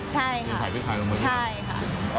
ใช่ค่ะใช่ค่ะ